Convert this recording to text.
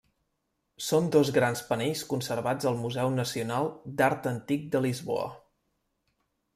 Són dos grans panells conservats al Museu Nacional d'Art Antic de Lisboa.